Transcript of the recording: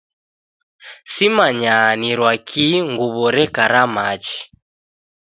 Simanyaa nirwa kii nguw'o reka ra machi